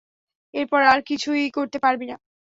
এরপর আর কিছুই করতে পারবি না।